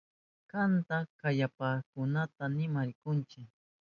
Kanta kayashpankunapas nima rinkichu.